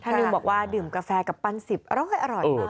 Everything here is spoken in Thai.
ท่านิวบอกว่าดื่มกาแฟกับปั้นสิบอร่อยมาก